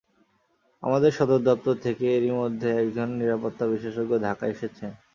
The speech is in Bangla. আমাদের সদর দপ্তর থেকে এরই মধ্যে একজন নিরাপত্তা বিশেষজ্ঞ ঢাকায় এসেছেন।